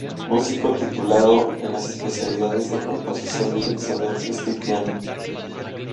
Músico titulado en las especialidades de Composición, Dirección de orquesta y Piano.